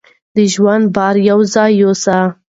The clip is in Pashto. د ژوند بار یو ځای یوسئ.